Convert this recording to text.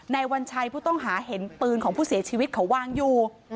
วัญชัยผู้ต้องหาเห็นปืนของผู้เสียชีวิตเขาวางอยู่